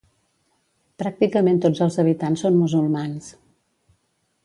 Pràcticament tots els habitants són musulmans.